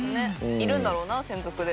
いるんだろうな専属で。